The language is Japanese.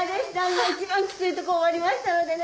今一番キツいとこ終わりましたのでね。